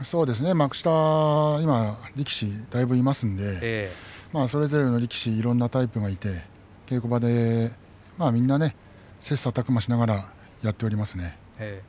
幕下以内の力士だいぶ、いますのでそれぞれいろんなタイプの力士がいて、みんな切さたく磨しながらやっていますね。